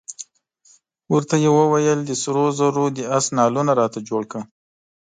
ورته یې وویل د سرو زرو د آس نعلونه راته جوړ کړه.